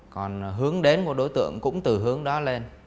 còn hướng đến của đối tượng cũng từ hướng đó lên